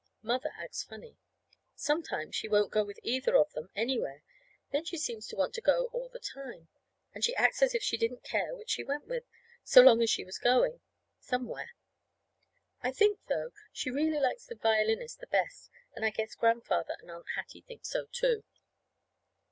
Mother acts funny. Sometimes she won't go with either of them anywhere; then she seems to want to go all the time. And she acts as if she didn't care which she went with, so long as she was just going somewhere. I think, though, she really likes the violinist the best; and I guess Grandfather and Aunt Hattie think so, too.